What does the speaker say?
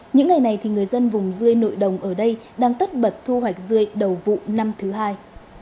những ngày này thì người dân vùng dươi nội đồng ở đây đang tất bật thu hoạch dươi đầu vụ năm thứ hai